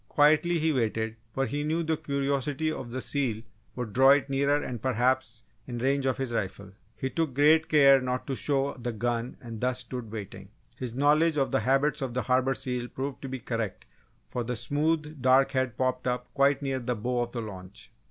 Quietly he waited, for he knew the curiosity of the seal would draw it nearer and perhaps, in range of his rifle. He took great care not to show the gun and thus stood waiting. His knowledge of the habits of the Harbour seal proved to be correct for the smooth dark head popped up quite near the bow of the launch.